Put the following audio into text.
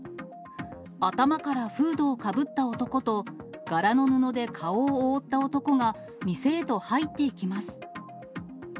頭からフードをかぶった男と、柄の布で顔を覆った男が店へと入っていきます。